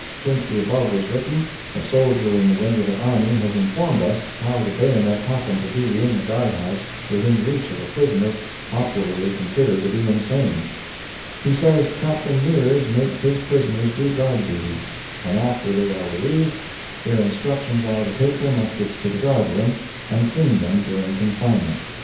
Since the above was written, a soldier in the regular army has informed us how the bayonet happened to be in the guard house within reach of a prisoner popularly considered to be insane. He says Captain Mears makes his prisoners do guard duty, and after they are relieved, their instructions are to take their muskets to the guard room and clean them during confinement.